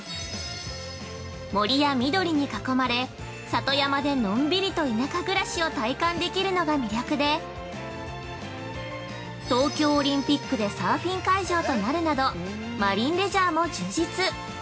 森や緑に囲まれ里山でのんびりと田舎暮らしを体感できるのが魅力で東京オリンピックでサーフィン会場となるなど、マリンレジャーも充実。